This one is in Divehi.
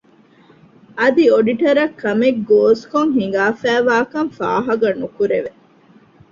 އަދި އޮޑިޓަރަށް ކަމެއްގޯސްކޮށް ހިނގާފައިވާކަން ފާހަގަނުކުރެވެ